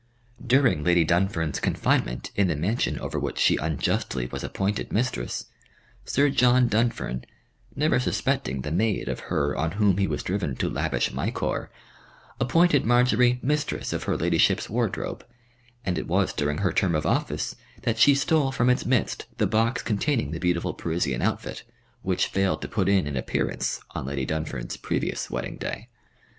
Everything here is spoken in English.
During Lady Dunfern's confinement in the mansion over which she unjustly was appointed mistress, Sir John Dunfern, never suspecting the maid of her on whom he was driven to lavish correction, appointed Marjory mistress of her ladyship's wardrobe, and it was during her term of office that she stole from its midst the box containing the beautiful Parisian outfit which failed to put in an appearance on Lady Dunfern's previous wedding day.